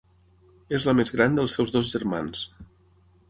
És la més gran dels seus dos germans.